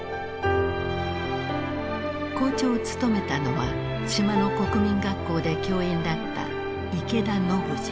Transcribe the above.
校長を務めたのは島の国民学校で教員だった池田信治。